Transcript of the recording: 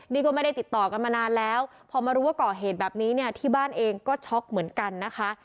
นี่ก็ไม่ได้ติดต่อกันมานานแล้วพอมารู้ว่าก่อเหตุแบบนี้เนี่ยที่บ้านเองก็ช็อกเหมือนกันนะคะ